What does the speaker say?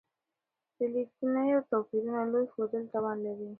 د ليکنيو توپيرونو لوی ښودل تاوان لري.